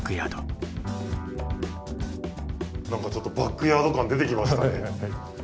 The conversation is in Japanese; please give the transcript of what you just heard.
何かちょっとバックヤード感出てきましたね。